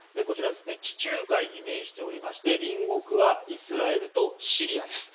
地中海に面して隣国はイスラエルとシリアです。